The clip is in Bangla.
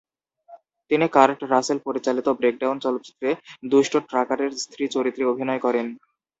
তিনি কার্ট রাসেল পরিচালিত "ব্রেকডাউন" চলচ্চিত্রে দুষ্ট ট্রাকারের স্ত্রী চরিত্রে অভিনয় করেন।